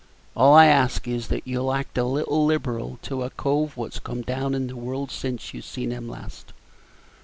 All I ask is, that you'll act a little liberal to a cove wot's come down in the world since you see him last.